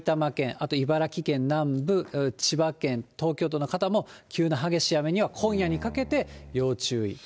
あと茨城県南部、千葉県、東京都の方も、急な激しい雨には、今夜にかけて要注意。